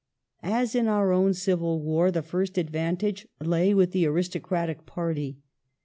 As in our own Civil War, the first advantage lay with the aristocratic party.